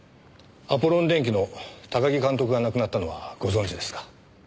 アポロン電機の高木監督が亡くなったのはご存じですか？